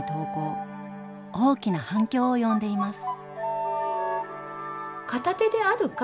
大きな反響を呼んでいます。